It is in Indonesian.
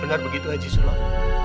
benar begitu haji sulam